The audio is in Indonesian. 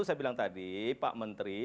saya bilang tadi pak menteri